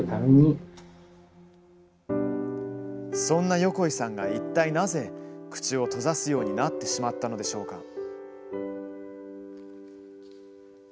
そんな横井さんがいったいなぜ、口を閉ざすようになってしまったのでしょうか。